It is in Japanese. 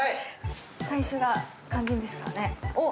最初が肝心ですからね。